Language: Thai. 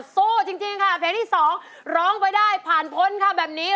สู้จริงค่ะเพลงที่๒ร้องไปได้ผ่านพ้นค่ะแบบนี้